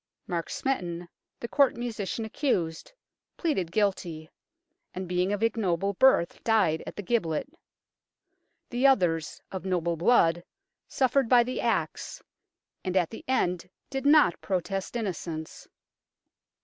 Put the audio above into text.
Mark Smeton, the Court musician accused, pleaded guilty, and being of ignoble birth died at the gibbet. The others, of noble blood, suffered by the axe, and at the end did not protest innocence.